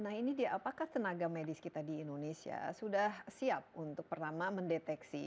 nah ini dia apakah tenaga medis kita di indonesia sudah siap untuk pertama mendeteksi